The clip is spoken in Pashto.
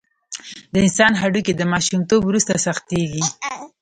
د انسان هډوکي د ماشومتوب وروسته سختېږي.